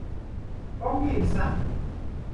Ongi izan.